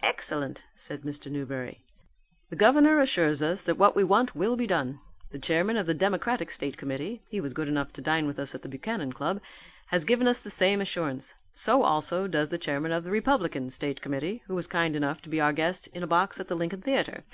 "Excellent!" said Mr. Newberry. "The governor assures us that what we want will be done. The chairman of the Democratic State Committee (he was good enough to dine with us at the Buchanan Club) has given us the same assurance. So also does the chairman of the Republican State Committee, who was kind enough to be our guest in a box at the Lincoln Theatre.